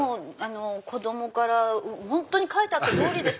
子供から本当に書いてあった通りでした。